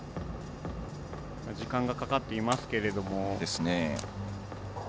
時間がかかっていますけれども。